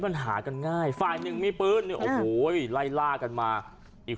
เวลาโปรดการรสลายกับตัวอาการระยะสุด